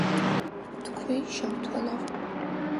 თქვი, შავთვალავ,